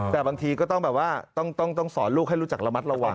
แต่บางทีก็ต้องแบบว่าต้องสอนลูกให้รู้จักระมัดระวัง